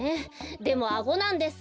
でもアゴなんです。